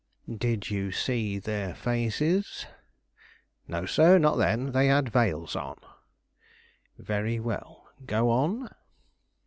"Did you see their faces?" "No, sir; not then. They had veils on." "Very well, go on."